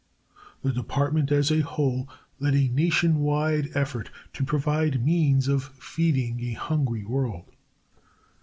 The Department as a whole led a nation wide effort to provide means of feeding a hungry world.